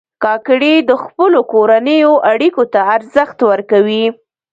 کاکړي د خپلو کورنیو اړیکو ته ارزښت ورکوي.